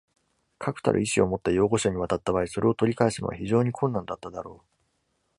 確たる意志を持った擁護者に渡った場合、それを取り返すのは非常に困難だっただろう。